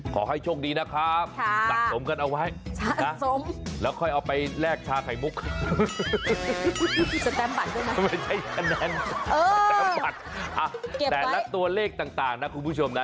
แต่ละตัวเลขต่างนะคุณผู้ชมนะ